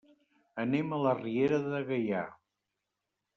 Anem a la Riera de Gaià.